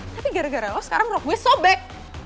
tapi gara gara lo sekarang rock gue sobek